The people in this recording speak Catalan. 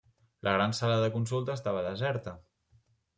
La gran sala de consulta estava deserta.